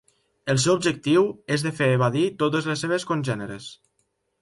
El seu objectiu és de fer evadir totes les seves congèneres.